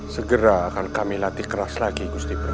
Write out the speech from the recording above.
segera akan kami latih keras lagi gusti prabu